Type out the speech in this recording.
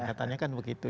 katanya kan begitu